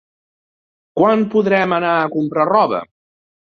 Quan podrem anar a comprar roba?